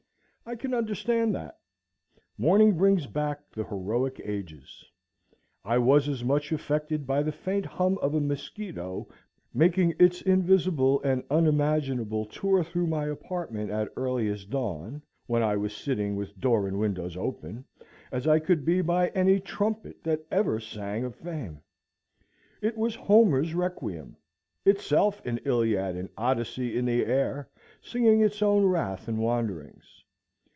I can understand that. Morning brings back the heroic ages. I was as much affected by the faint hum of a mosquito making its invisible and unimaginable tour through my apartment at earliest dawn, when I was sitting with door and windows open, as I could be by any trumpet that ever sang of fame. It was Homer's requiem; itself an Iliad and Odyssey in the air, singing its own wrath and wanderings.